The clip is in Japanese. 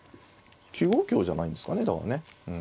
９五香じゃないんですかね。